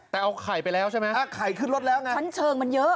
แต่เอาไข่ไปแล้วใช่ไหมไข่ขึ้นรถแล้วไงชั้นเชิงมันเยอะ